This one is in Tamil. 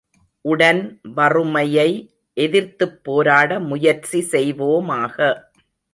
உடன் வறுமையை எதிர்த்துப் போராட முயற்சி செய்வோமாக!